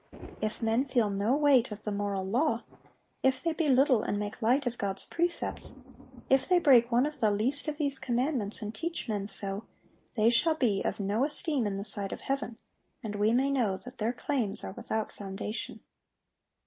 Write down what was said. If men feel no weight of the moral law, if they belittle and make light of God's precepts, if they break one of the least of these commandments, and teach men so, they shall be of no esteem in the sight of Heaven, and we may know that their claims are without foundation.